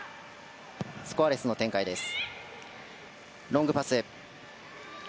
スコアレスの展開です。